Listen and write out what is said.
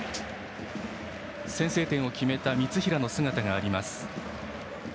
先制点を決めた三平の姿があります。